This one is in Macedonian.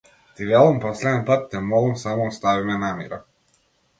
Ти велам последен пат, те молам, само остави ме на мира.